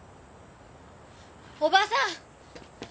おばさん！